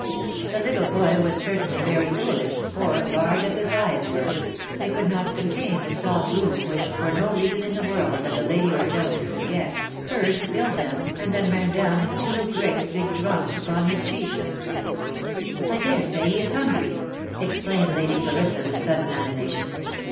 The little boy was certainly very foolish, for, large as his eyes were, they could not contain the salt rheum which, for no reason in the world that the lady or gentleman could guess, first filled them and then ran down in two great big drops upon his cheeks. " I dare say he is hungry," exclaimed Lady Clarissa with sudden animation.